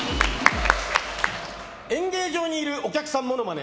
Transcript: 演芸場にいるお客さんものまね。